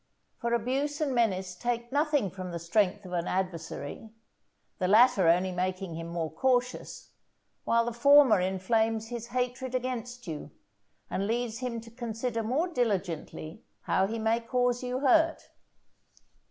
For abuse and menace take nothing from the strength of an adversary; the latter only making him more cautious, while the former inflames his hatred against you, and leads him to consider more diligently how he may cause you hurt.